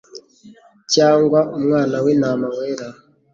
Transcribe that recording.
Cyangwa umwana w'intama wera